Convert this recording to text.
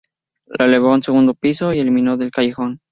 Los elevó con un segundo piso y eliminó el callejón.